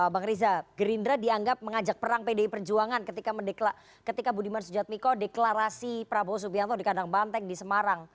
bang riza gerindra dianggap mengajak perang pdi perjuangan ketika budiman sujadmiko deklarasi prabowo subianto di kandang banteng di semarang